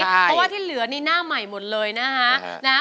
เพราะว่าที่เหลือนี่หน้าใหม่หมดเลยนะคะ